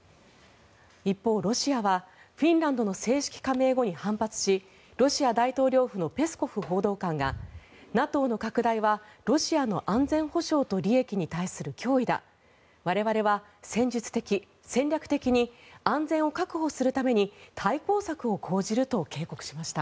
一方、ロシアはフィンランドの正式加盟後に反発しロシア大統領府のペスコフ報道官がＮＡＴＯの拡大はロシアの安全保障と利益に対する脅威だ我々は戦術的・戦略的に安全を確保するために対抗策を講じると警告しました。